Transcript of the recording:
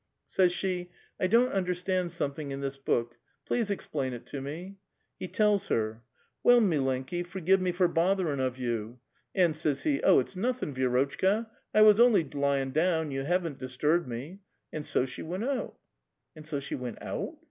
Says she, ' I don't understand something in this book ; please explain it to me.' lie tells her. ' SVell [7iu], wilenki^ forgive mc for botherin' of vou.' And says he, 'Oh, it's nothin', Vi6 rotchka ; I was only lyin' down, you haven't disturbed me.' And so \jnC\ she went out." " And so she went out?"